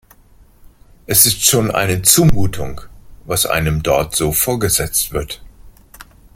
Es ist schon eine Zumutung, was einem dort so vorgesetzt wird.